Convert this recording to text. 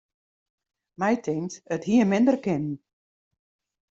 My tinkt, it hie minder kinnen.